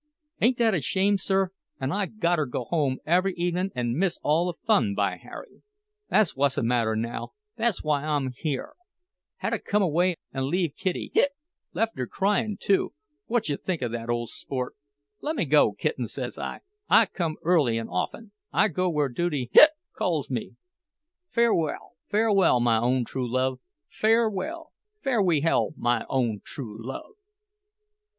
Ain't that a shame, sir? An' I gotter go home every evenin' an' miss all the fun, by Harry! Thass whuzzamatter now—thass why I'm here! Hadda come away an' leave Kitty—hic—left her cryin', too—whujja think of that, ole sport? 'Lemme go, Kittens,' says I—'come early an' often—I go where duty—hic—calls me. Farewell, farewell, my own true love—farewell, farewehell, my—own true—love!